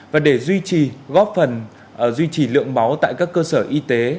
và để duy trì góp phần duy trì lượng máu tại các cơ sở y tế